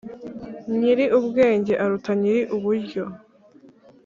nyiri ubwenge aruta nyiri uburyo